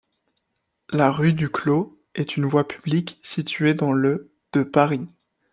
La rue du Clos est une voie publique située dans le de Paris.